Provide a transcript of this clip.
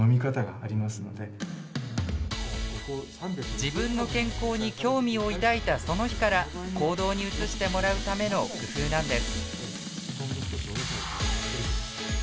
自分の健康に興味を抱いたその日から行動に移してもらうための工夫なんです。